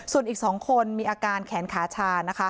ส่วนอีกสองคนมีอาการแขนขาชา